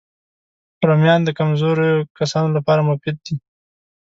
رومیان د کمزوریو کسانو لپاره مفید دي